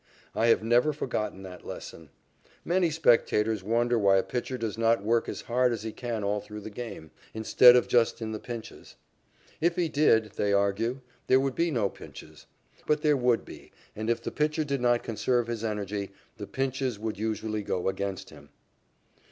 I have never forgotten that lesson. Many spectators wonder why a pitcher does not work as hard as he can all through the game, instead of just in the pinches. If he did, they argue, there would be no pinches. But there would be, and, if the pitcher did not conserve his energy, the pinches would usually go against him.